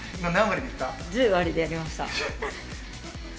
１０割でやりました。